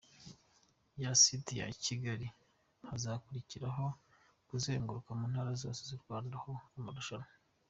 ya site ya kigali hazakurikiraho kuzenguruka mu ntara zose zu Rwanda, aho amarushanwa.